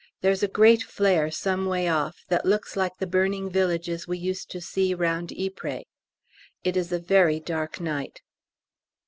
There's a great flare some way off that looks like the burning villages we used to see round Ypres. It is a very dark night.